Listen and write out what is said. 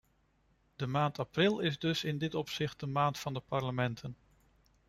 De maand april is dus in dit opzicht de maand van de parlementen.